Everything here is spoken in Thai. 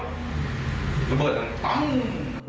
ระเบิดปั้ง